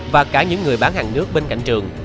và cả những người bán hàng nước bên cạnh trường